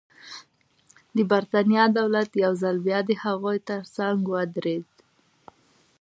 د برېټانیا دولت یو ځل بیا د هغوی ترڅنګ ودرېد.